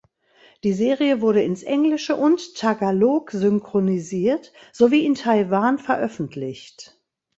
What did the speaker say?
Die Serie wurde ins Englische und Tagalog synchronisiert sowie in Taiwan veröffentlicht.